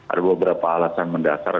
ada beberapa alasan mendasar